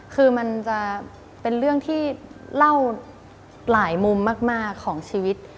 คือมันจะเป็นเรื่องที่เล่าหลายมุมมากของชีวิต